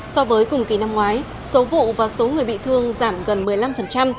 so với cùng kỳ năm ngoái số vụ và số người bị thương giảm gần một mươi năm